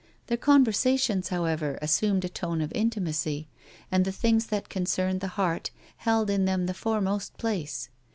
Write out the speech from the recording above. Their conversations, however, assumed a tone of intimacy, and the things that concerned the heart held in them the foremost place.